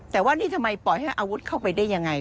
แต่ว่านี่ทำไมปล่อยให้อาวุธเข้าไปได้ยังไง